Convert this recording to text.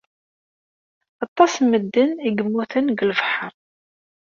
Aṭas n medden i yemmuten deg lebḥer.